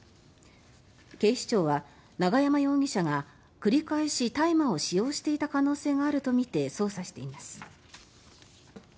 警視庁は永山容疑者が繰り返し大麻を使用していた可能性があるとみて捜査しています。